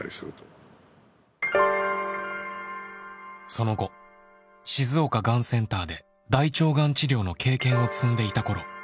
その後静岡がんセンターで大腸がん治療の経験を積んでいたころ